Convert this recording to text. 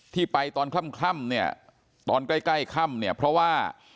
ที่ไปตอนค่ำเนี่ยตอนใกล้ใกล้ค่ำเนี่ยเพราะว่า